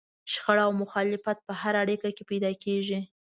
شخړه او مخالفت په هره اړيکه کې پيدا کېږي.